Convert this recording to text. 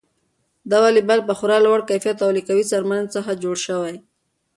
دا واليبال په خورا لوړ کیفیت او له قوي څرمنې څخه جوړ شوی.